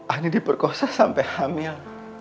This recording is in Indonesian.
ani diperkosa sampai hamil